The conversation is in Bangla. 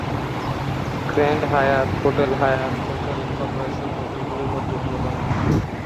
Grand Hyatt hotel Hyatt hotel corporation hotel গুলির মধ্যে অন্যতম।